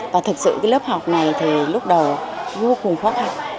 và thực sự cái lớp học này thì lúc đầu vô cùng khó khăn